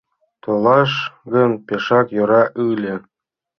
Толеш гын, пешак йӧра ыле.